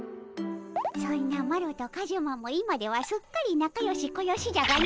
そんなマロとカジュマも今ではすっかりなかよしこよしじゃがの。